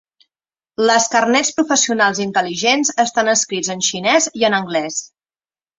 Les carnets professionals intel·ligents estan escrits en xinès i en anglès.